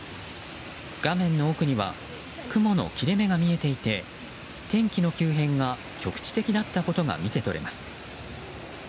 画面の奥には雲の切れ目が見えていて天気の急変が局地的だったことが見て取れます。